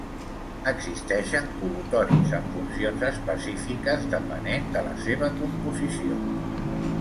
Existeixen col·lutoris amb funcions específiques depenent de la seva composició.